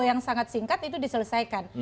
yang sangat singkat diselesaikan